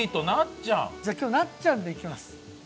じゃあ今日なっちゃんでいきます。